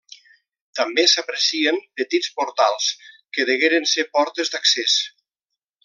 També s'aprecien petits portals que degueren ser portes d'accés.